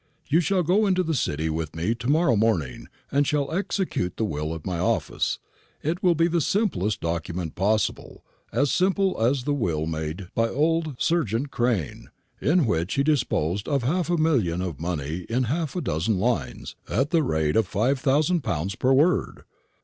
You shall go into the City with me to morrow morning, and shall execute the will at my office. It will be the simplest document possible as simple as the will made by old Serjeant Crane, in which he disposed of half a million of money in half a dozen lines at the rate of five thousand pounds per word.